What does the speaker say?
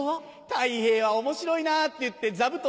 「たい平は面白いな」って言って座布団